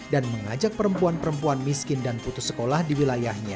dan mengajak perempuan perempuan miskin dan putus sekolah di wilayahnya